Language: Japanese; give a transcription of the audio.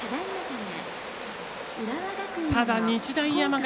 ただ、日大山形